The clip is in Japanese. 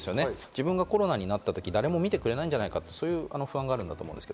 自分がコロナになったとき、誰も見てくれないんじゃないか、そういう不安があるんだと思います。